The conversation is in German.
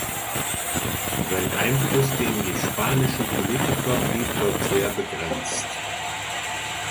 Sein Einfluss gegen die spanischen Politiker blieb dort sehr begrenzt.